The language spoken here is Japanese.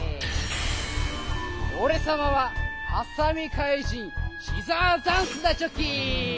おれさまはハサミかいじんシザーザンスだチョキ。